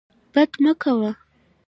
بد مه کوه.